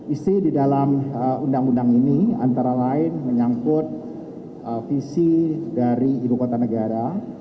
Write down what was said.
isi di dalam undang undang ini antara lain menyangkut visi dari ibu kota negara